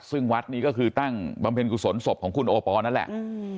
ซึ่งวัดนี้ก็คือตั้งบำเพ็ญกุศลศพของคุณโอปอลนั่นแหละ